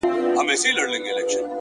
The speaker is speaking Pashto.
شراب نوشۍ کي مي له تا سره قرآن کړی دی;